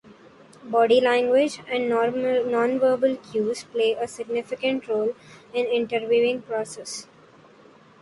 Body language and non-verbal cues play a significant role in the interviewing process.